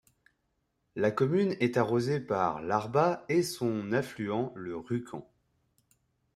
La commune est arrosée par l'Arbas et son affluent le Rucan.